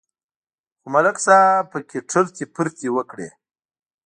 خو ملک صاحب پکې ټرتې پرتې وکړې